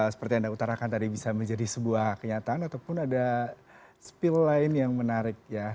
seperti yang anda utarakan tadi bisa menjadi sebuah kenyataan ataupun ada spill lain yang menarik ya